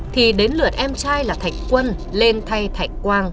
thì đến lượt em trai là thạch quân lên thay thạch quang